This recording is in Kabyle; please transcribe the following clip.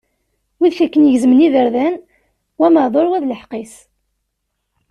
Wid akken i gezzmen iberdan, wa meɛdur, wa d lḥeqq-is.